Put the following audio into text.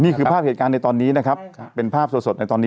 นี่คือภาพเหตุการณ์ในตอนนี้นะครับเป็นภาพสดในตอนนี้